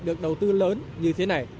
được đầu tư lớn như thế này